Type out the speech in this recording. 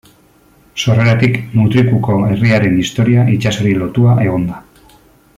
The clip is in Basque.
Sorreratik Mutrikuko herriaren historia itsasoari lotua egon da.